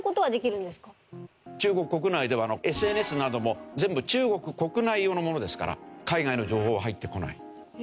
中国国内ではＳＮＳなども全部中国国内用のものですから海外の情報は入ってこない。